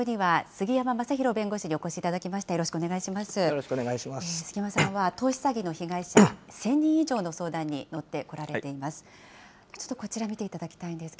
杉山さんは投資詐欺の被害者１０００人以上の相談に乗っておられています。